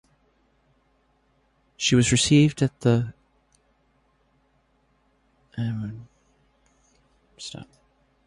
She has received the Guldberg and Waage medal from the Norwegian Chemical Society.